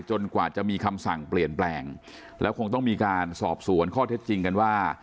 กว่าจะมีคำสั่งเปลี่ยนแปลงแล้วคงต้องมีการสอบสวนข้อเท็จจริงกันว่า